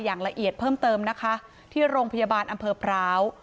อย่างละเอียดเพิ่มเติมนะคะที่โรงพยาบาลอำเภอพร้าว